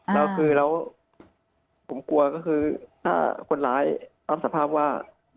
แล้วคือแล้วผมกลัวก็คือถ้าคนร้ายรับสภาพว่า